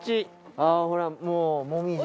ほらもうもみじ。